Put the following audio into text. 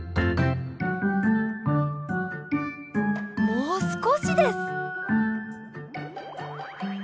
もうすこしです。